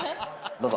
どうぞ。